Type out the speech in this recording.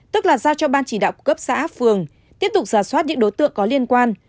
tức là giao cho ban chỉ đạo cấp xã phường tiếp tục giả soát những đối tượng có liên quan